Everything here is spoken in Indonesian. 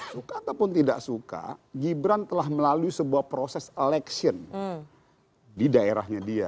suka ataupun tidak suka gibran telah melalui sebuah proses election di daerahnya dia